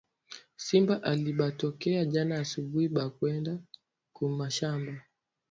Simba alibatokea jana asubui pa kwenda kumashamba